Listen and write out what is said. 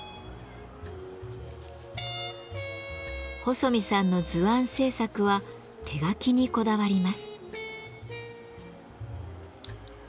細見さんの図案制作は手描きにこだわります。